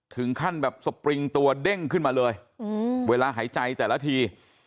ถึงขั้นแบบสปริงตัวเด้งขึ้นมาเลยเวลาหายใจแต่ละที